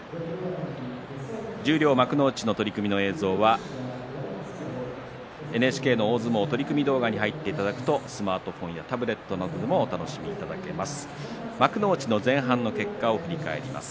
十両、幕内の取組の映像はＮＨＫの大相撲取組動画に入っていただくとスマートフォンやタブレットでもお楽しみいただけます。